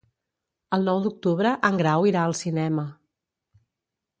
El nou d'octubre en Grau irà al cinema.